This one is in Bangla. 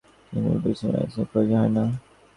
উহার কোন বিশ্রাম-স্থানের প্রয়োজন হয় না।